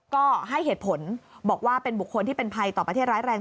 ก็ให้เหตุผลบอกว่าเป็นบุคคลที่เป็นภัยต่อประเทศร้ายแรง